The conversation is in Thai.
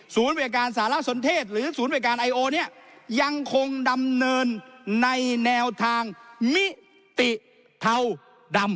ศูนย์พยการสหรัฐสมเทศหรือศูนย์พยการไอโอเนี้ยยังคงดำเนิลในแนวทางมิติเท่าดำ